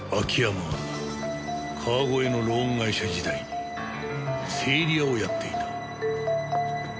秋山は川越のローン会社時代に整理屋をやっていた。